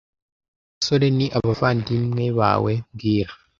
Abo basore ni abavandimwe bawe mbwira